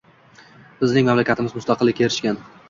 Bizning mamlakatimiz mustaqillikka erishgan